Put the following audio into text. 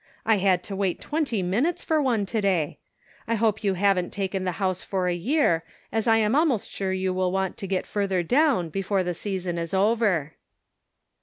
I had to wait twenty minutes for one to day. I hope you haven't taken the house for a year, as I ani almost sure you will want to get further down before the season is over."